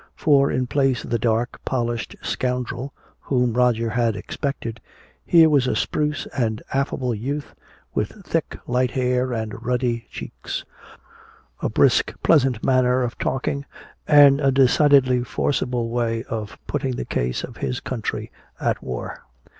For in place of the dark polished scoundrel whom Roger had expected, here was a spruce and affable youth with thick light hair and ruddy cheeks, a brisk pleasant manner of talking and a decidedly forcible way of putting the case of his country at war.